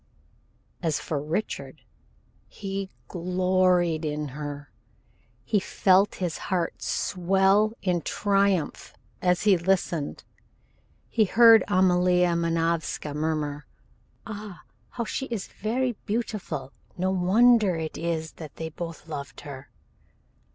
As for Richard, he gloried in her. He felt his heart swell in triumph as he listened. He heard Amalia Manovska murmur: "Ah, how she is very beautiful! No wonder it is that they both loved her!"